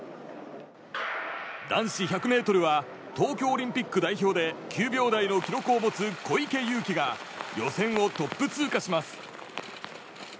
男子１００ｍは東京オリンピック代表で９秒台の記録を持つ小池祐貴が予選をトップ通過します。